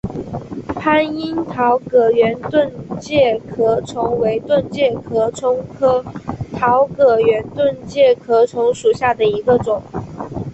番樱桃葛圆盾介壳虫为盾介壳虫科桃葛圆盾介壳虫属下的一个种。